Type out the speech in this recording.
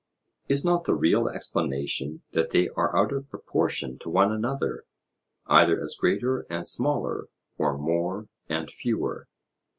Is not the real explanation that they are out of proportion to one another, either as greater and smaller, or more and fewer?